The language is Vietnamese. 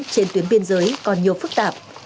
trên tuyến biên giới còn nhiều phức tạp